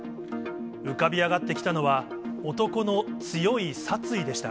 浮かび上がってきたのは、男の強い殺意でした。